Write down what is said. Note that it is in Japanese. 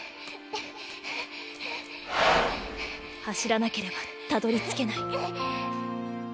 走らなければたどり着けない